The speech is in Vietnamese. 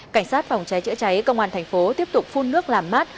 cảnh sát phòng cháy chữa cháy công an thành phố tiếp tục phun nước làm mát